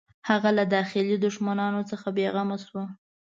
هغه له داخلي دښمنانو څخه بېغمه شو.